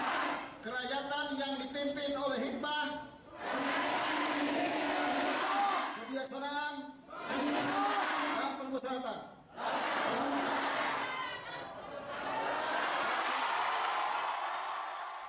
empat kerajaan yang ditempin oleh hikmah kebiaksanaan dan penguasaan